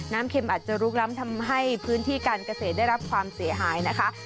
เข็มอาจจะลุกล้ำทำให้พื้นที่การเกษตรได้รับความเสียหายนะคะ